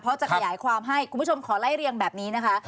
เพราะจะขยายความให้คุณผู้ชมขอไล่เรียงแบบนี้นะคะ